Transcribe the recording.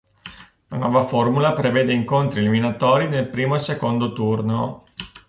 La nuova formula prevede incontri eliminatori nel primo e secondo turno.